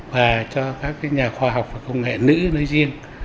và cho các nhà khoa học và công nghệ nữ nói riêng